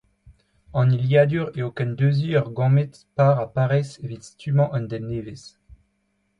An hiliadur eo kendeuziñ ur gamet par ha parez evit stummañ un den nevez.